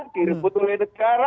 direbut oleh negara